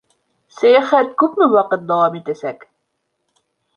Сәйәхәт күпме ваҡыт дауам итәсәк?